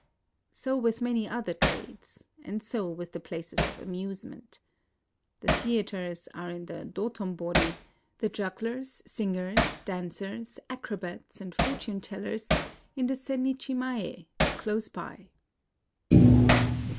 So with many other trades ; and so with the places of amusement. The theatres are in the Dotombori ; the jugglers, singers, dancers, acrobats, and fortune tellers in the Sennichi mae, close by.